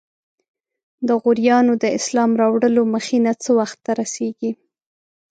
د غوریانو د اسلام راوړلو مخینه څه وخت ته رسیږي؟